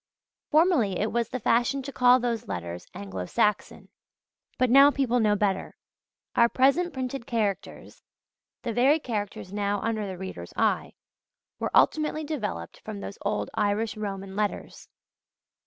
Formerly it was the fashion to call those letters Anglo Saxon: but now people know better. Our present printed characters the very characters now under the reader's eye were ultimately developed from those old Irish Roman letters.